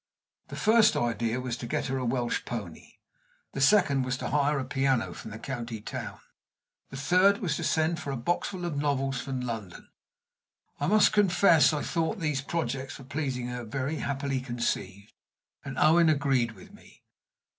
The first idea was to get her a Welsh pony; the second was to hire a piano from the county town; the third was to send for a boxful of novels from London. I must confess I thought these projects for pleasing her very happily conceived, and Owen agreed with me.